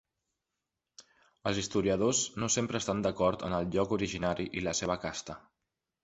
Els historiadors no sempre estan d'acord en el lloc originari i la seva casta.